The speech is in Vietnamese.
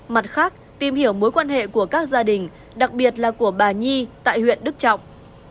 mặt khác tìm hiểu mối quan hệ của các gia đình đặc biệt là của bà nhi tại huyện đức trọng